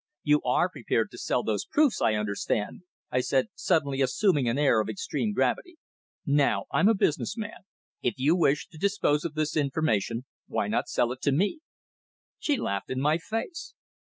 "You are prepared to sell those proofs, I understand," I said, suddenly assuming an air of extreme gravity. "Now, I'm a business man. If you wish to dispose of this information, why not sell it to me?" She laughed in my face.